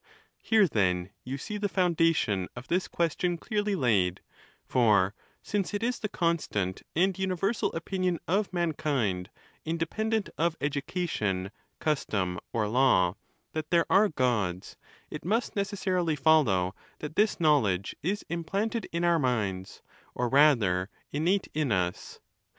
XVII. Here, then, you see the foundation of this ques tion clearly laid ; for since it is the constant and universal opinion of mankind, independent of education, custom, or law, that there are Gods, it must necessarily follow that this knowledge is implanted in our minds, or, rather, in , nate in us.